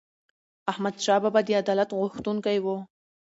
احمدشاه بابا د عدالت غوښتونکی و.